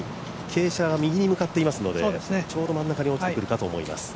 傾斜が右に向かっていますので真ん中に落ちてくるかと思います。